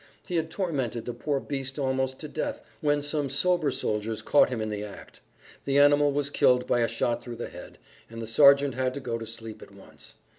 He had tormented the poor beast almost to death when some sober soldiers caught him in the act. The animal was killed by a shot through the head, and the sergeant had to go to sleep at once.